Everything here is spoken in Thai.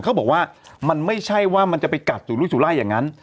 เขาบอกว่ามันไม่ใช่ว่ามันจะไปกัดสุรุยสุรายอย่างนั้น